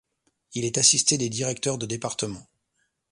Il est assisté des directeurs de départements.